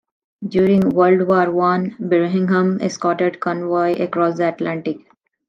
During World War One, "Birmingham" escorted convoys across the Atlantic.